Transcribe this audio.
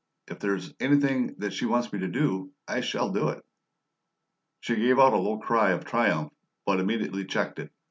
If there is anything she wants me to do, I shall do it." She gave a low cry of triumph, but immediately checked it.